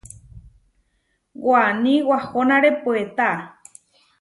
Waní wahónare puetá.